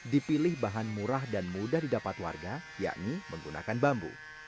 dipilih bahan murah dan mudah didapat warga yakni menggunakan bambu